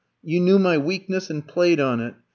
You knew my weakness, and played on it.